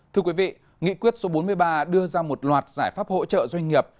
thưa quý vị nghị quyết số bốn mươi ba đưa ra một loạt giải pháp hỗ trợ doanh nghiệp